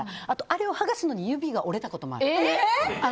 あれを剥がすのに指が折れたこともある。